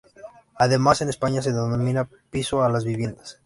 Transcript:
Además en España se denomina piso a las viviendas.